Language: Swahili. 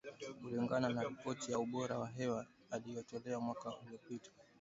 kulingana na ripoti ya ubora wa hewa iliyotolewa mwaka uliopita